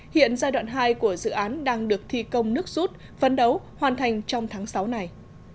hai nghìn một mươi bảy hiện giai đoạn hai của dự án đang được thi công nước rút phấn đấu hoàn thành trong tháng sáu này